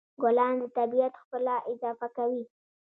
ګلان د طبیعت ښکلا اضافه کوي.